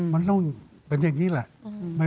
มันต้องเป็นอย่างนี้แหละ